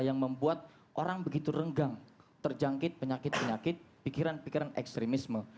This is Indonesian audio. yang membuat orang begitu renggang terjangkit penyakit penyakit pikiran pikiran ekstremisme